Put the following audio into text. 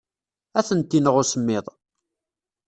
Ad tent-ineɣ usemmiḍ.